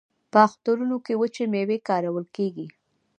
په اخترونو کې وچې میوې کارول کیږي.